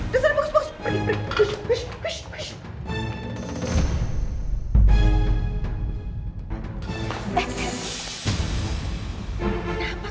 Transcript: disana bagus bagus pergi pergi